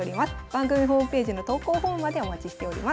番組ホームページの投稿フォームまでお待ちしております。